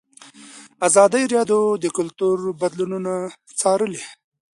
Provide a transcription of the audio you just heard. ازادي راډیو د کلتور بدلونونه څارلي.